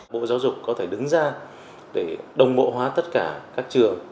bộ giáo dục có thể đứng ra để đồng bộ hóa tất cả các trường